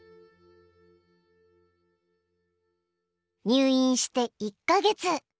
入院して１か月。